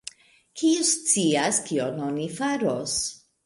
kiu scias, kion oni faros?